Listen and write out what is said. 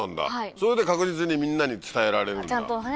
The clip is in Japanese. それで確実にみんなに伝えられるんだ。